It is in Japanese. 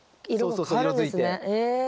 そうそうそう色づいて。